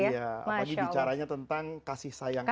iya apalagi bicaranya tentang kasih sayang allah